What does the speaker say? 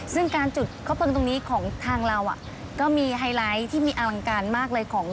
ซึ่งการจุดข้าวเปิงตรงนี้ของทางเราก็มีไฮไลท์ที่มีอลังการมากเลยของ